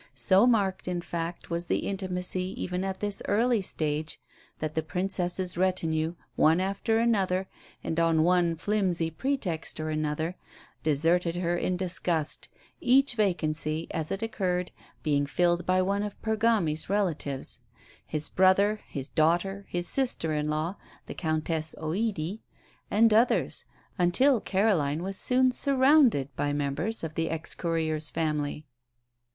So marked, in fact, was the intimacy even at this early stage, that the Princess's retinue, one after another, and on one flimsy pretext or another, deserted her in disgust, each vacancy, as it occurred, being filled by one of Pergami's relatives his brother, his daughter, his sister in law (the Countess Oidi), and others, until Caroline was soon surrounded by members of the ex courier's family.